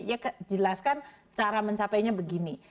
ya jelaskan cara mencapainya begini